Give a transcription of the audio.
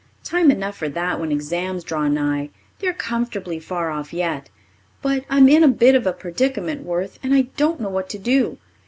Time enough for that when exams draw nigh. They're comfortably far off yet. But I'm in a bit of a predicament, Worth, and I don't know what to do.